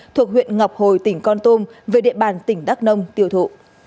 thuộc huyện ngọc hồi tỉnh con tum về địa bàn tỉnh đắk nông tiêu thụ